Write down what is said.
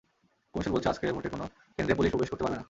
Commission বলছে, আজকের ভোটে কোনো কেন্দ্রে পুলিশ প্রবেশ করতে পারবে না।